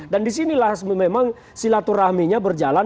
dan disinilah memang silaturahminya berjalan